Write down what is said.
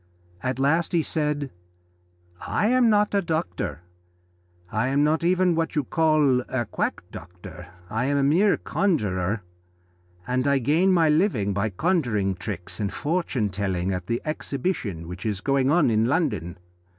At last he said: "I am not a doctor, I am not even what you call a quack doctor I am a mere conjurer, and I gain my living by conjuring tricks and fortune telling at the Exhibition which is going on in London.